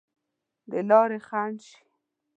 د لارې خنډ شي.